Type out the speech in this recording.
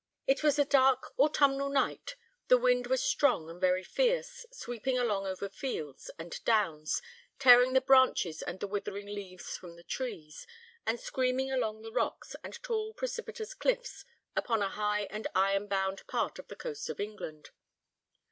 It was a dark autumnal night, the wind was strong and very fierce, sweeping along over fields and downs, tearing the branches and the withering leaves from the trees, and screaming along the rocks and tall precipitous cliffs upon a high and iron bound part of the coast of England.